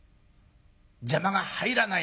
邪魔が入らない